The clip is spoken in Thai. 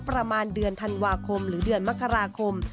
ประมาณเดือนธันวาคมหรือเดือนมกราคม